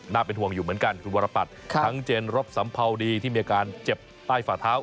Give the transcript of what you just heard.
เป็นห่วงอยู่เหมือนกันคุณวรปัตย์ทั้งเจนรบสัมภาวดีที่มีอาการเจ็บใต้ฝาเท้า